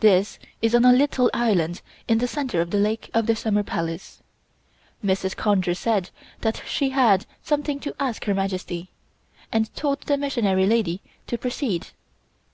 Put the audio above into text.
This is on a little island in the center of the lake of the Summer Palace. Mrs. Conger said that she had something to ask Her Majesty, and told the Missionary lady to proceed.